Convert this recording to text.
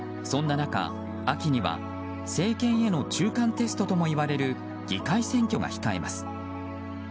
そんな中、秋には政権への中間テストともいわれる議会選挙が控えます。